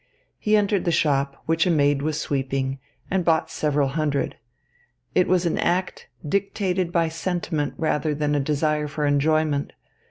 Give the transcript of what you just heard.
He entered the shop, which a maid was sweeping, and bought several hundred. It was an act dictated by sentiment rather than by a desire for enjoyment.